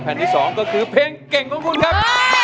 แผ่นที่สองก็คือเพลงเก่งของคุณครับ